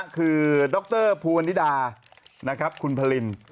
คือดรภูวนิดาคุณพลิน